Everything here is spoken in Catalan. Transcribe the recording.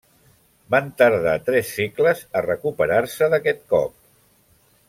Van tardar tres segles a recuperar-se d'aquest cop.